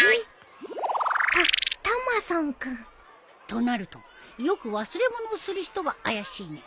タタマソン君？となるとよく忘れ物をする人が怪しいね。